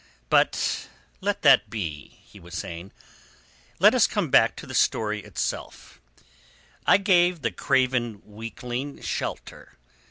"But let that be," he was saying. "Let us come back to the story itself. I gave the craven weakling shelter.